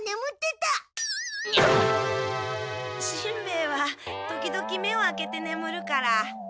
ヱは時々目を開けてねむるから。